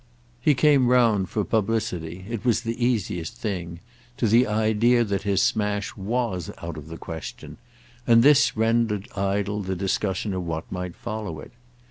He came round, for publicity—it was the easiest thing—to the idea that his smash was out of the question, and this rendered idle the discussion of what might follow it.